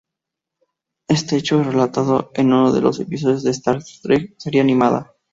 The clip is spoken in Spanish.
Este hecho es relatado en uno de los episodios de Star Trek Serie Animada.